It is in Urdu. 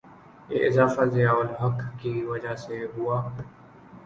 یہ اضافہ ضیاء الحق کی وجہ سے ہوا؟